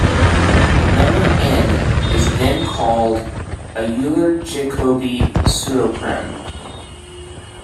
The number "n" is then called a Euler-Jacobi pseudoprime.